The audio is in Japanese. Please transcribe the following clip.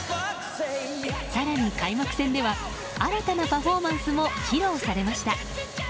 更に開幕戦では新たなパフォーマンスも披露されました。